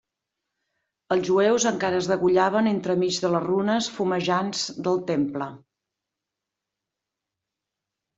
Els jueus encara es degollaven entremig de les runes fumejants del Temple.